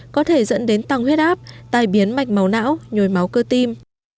có thể dẫn đến tăng huyết áp tài biến mạch màu não nhồi máu cơ tim